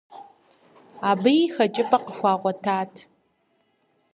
Абыи хэкӏыпӏэ къыхуагъуэтат.